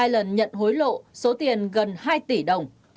hai lần nhận hối lộ số tiền gần hai tỷ đồng